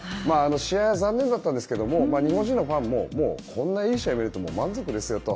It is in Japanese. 試合は残念でしたが日本人のファンもこんないい試合を見れて満足ですと。